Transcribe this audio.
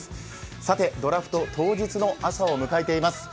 さて、ドラフト当日の朝を迎えています。